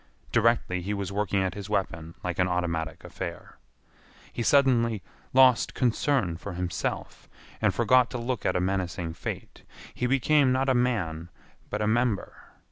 Directly he was working at his weapon like an automatic affair. He suddenly lost concern for himself, and forgot to look at a menacing fate. He became not a man but a member.